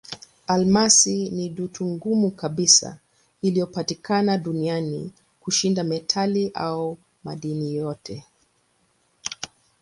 Almasi ni dutu ngumu kabisa inayopatikana duniani kushinda metali au madini yote.